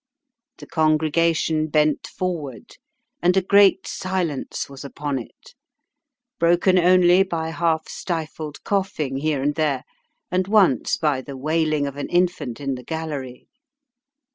The congregation bent forward and a great silence was upon it, broken only by half stifled coughing here and there, and once by the wailing of an infant in the gallery.